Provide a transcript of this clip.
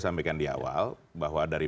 sampaikan di awal bahwa dari